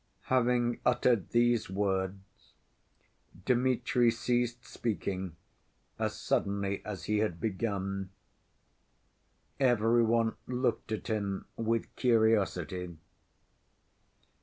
Having uttered these words Dmitri ceased speaking as suddenly as he had begun. Every one looked at him with curiosity.